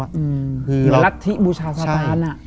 อย่างลักษณ์ที่บูชาสาธารณะ